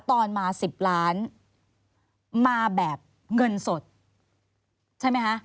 ตอนมา๑๐ล้านมาแบบเงินสดใช่ไหมคะ